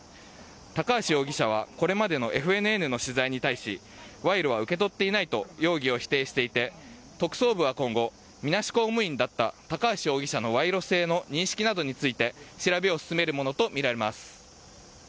高橋容疑者はこれまでのＦＮＮの取材に対し賄賂は受け取っていないと容疑を否定していて特捜部は今後みなし公務員だった高橋容疑者の賄賂性の認識などについて調べを進めるものとみられます。